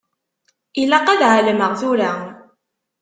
Ilaq ad εelmeɣ tura.